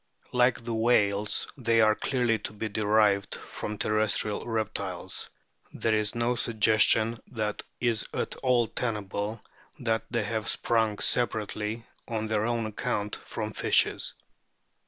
Like the whales, they are clearly to be derived from terrestrial reptiles ; there is no suggestion that is at all tenable that they have sprung separately, on their own account, from fishes.